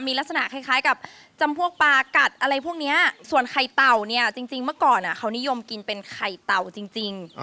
มีลักษณะคล้ายกับจำพวกปลากัดอะไรพวกนี้ส่วนไข่เต่าเนี่ยจริงเมื่อก่อนเขานิยมกินเป็นไข่เต่าจริง